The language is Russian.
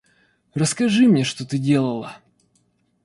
Расскажи мне, что ты делала?